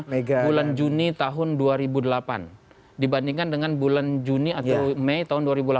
bulan juni tahun dua ribu delapan dibandingkan dengan bulan juni atau mei tahun dua ribu delapan belas